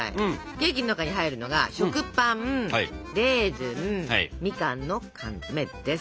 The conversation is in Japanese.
ケーキの中に入るのが食パンレーズンみかんの缶詰です。